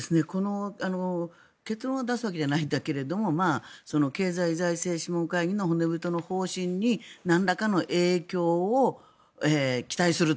結論を出すわけではないんだけれども経済財政諮問会議の骨太の方針になんらかの影響を期待すると。